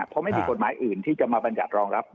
เพราะไม่มีกฎหมายอื่นที่จะมาบรรยัติรองรับ